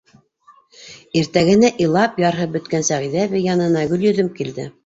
Иртәгеһенә илап, ярһып бөткән Сәғиҙә әбей янына Гөлйөҙөм килде.